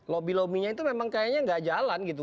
lobby lobbynya itu memang kayaknya nggak jalan gitu